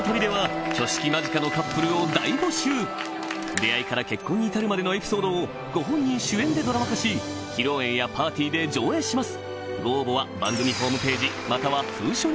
出会いから結婚に至るまでのエピソードをご本人主演でドラマ化し披露宴やパーティーで上映します